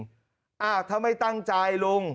ถ้าไม่ตั้งใจลุง